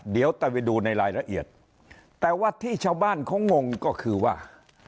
เดี๋ยวจะไปดูในรายละเอียดแต่ว่าที่ชาวบ้านเขางงก็คือว่า